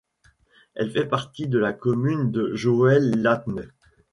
Elle fait partie de la commune de Jõelähtme.